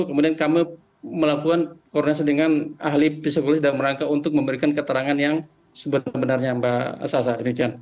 kemudian kami melakukan kondisi dengan ahli psikologi dan merangka untuk memberikan keterangan yang sebenarnya mbak sasa